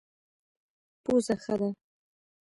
پوزه ښه ده.